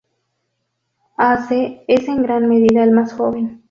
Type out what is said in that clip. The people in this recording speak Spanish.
Ace es en gran medida el más joven.